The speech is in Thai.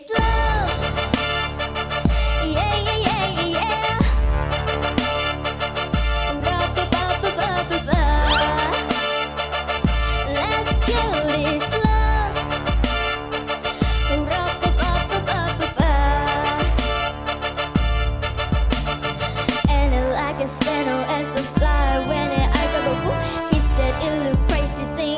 รับไปเลยนึงแสนต่อ